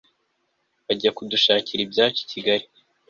bajya kudushakira ibyacu ikigal